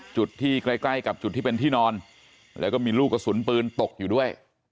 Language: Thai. จุดที่ใกล้ใกล้กับจุดที่เป็นที่นอนแล้วก็มีลูกกระสุนปืนตกอยู่ด้วย